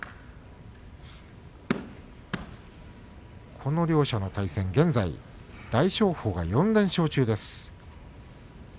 この両者の対戦、現在大翔鵬が４連勝中です。